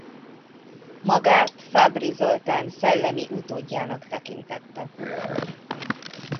Magát Fábry Zoltán szellemi utódjának tekintette.